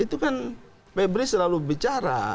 itu kan febri selalu bicara